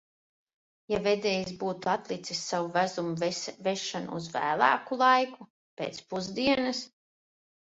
Ja vedējs būtu atlicis savu vezuma vešanu uz vēlāku laiku, pēc pusdienas?